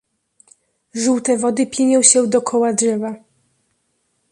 "Żółte wody pienią się dokoła drzewa."